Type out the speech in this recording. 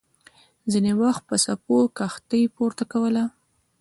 ځینې وخت به څپو کښتۍ پورته کوله.